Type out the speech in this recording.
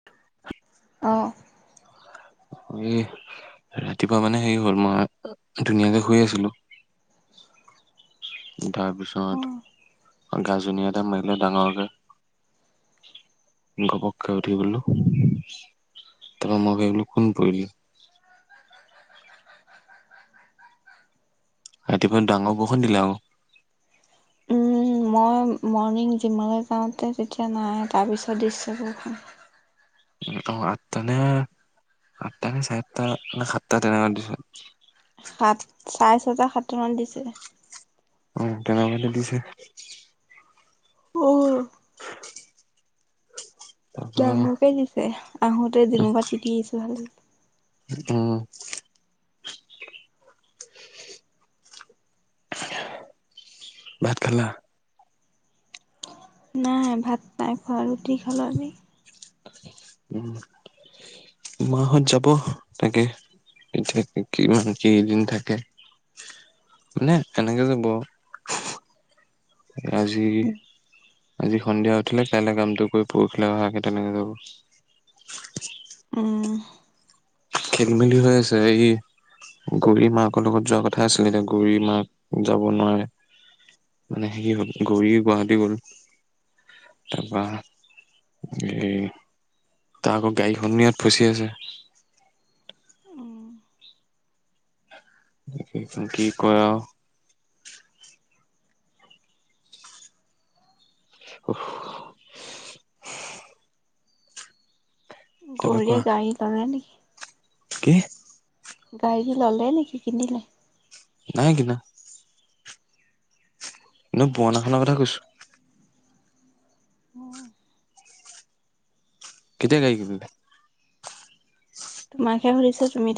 [unintelligible] অ। এ ৰাতিপুৱা মানে হেৰি হ'ল মই ধুনীয়াকে শুই আছিলো উম, তাৰপিছত গাজনি এটা মাৰিলে ডাঙৰকে ঘপককে উঠি গলো, তাৰপৰা মই ভাবিলোঁ ফোন কৰিলো ৰাতিপুৱা ডাঙৰ বৰষুণ দিলে আকো। মই মৰ্ণিং জিমলে যাওঁতে তেতিয়া নাই তাৰপিছত দিছে বৰষুণ। অ আঠটা নে আঠটা নে চাৰে আঠটা নে সাতটা তেনেকুৱাত দিছে। সাত চাৰে ছটা, সাতটা মানত দিছে। অ, তেনেকোৱাতে দিছে। অ। [unintelligible] তাৰপৰা ডাঙৰকে দিছে আহোঁতে জিমৰ পৰা তিতি আহিছো খালি। উম। ভাত খালা? নাই ভাত নাই খোৱা ৰুতি খালো আজি। উম, মাহঁত যাব তাকে। এতিয়া কিমান কেইদিন থাকে মানে এনেকে যাব আও। আজি উম। আজি সন্ধিয়া উঠিলে কাইলে কামটো কৰি পৰশিলে অহাকে তেনেকে যাব। উম। খেল-মেলি হৈ আছে হেৰি গৌৰী মাকৰ লগত যোৱা কথা আছিলে এতিয়া গৌৰীৰ মাক যাব নোৱাৰে। মানে হেৰি হ'ল গৌৰী গুৱাহাটী গ'ল তাৰপৰা এ তাৰ আকৌ গাড়ীখনো ইয়াত ফচি আছে। উম, কি কই আও। [unintelligible] তাৰপা গৌৰীয়ে কোৱা গাড়ী পালে নিকি? কি? গাড়ী ল'লে নিকি কিনিলে? নাই কিনা। নহয় পুৰাণাখনৰ কথা কৈছো। অ। কেতিয়া গাড়ী কিনিলে? [inaudible] তোমাকহে শুধিছে তুমি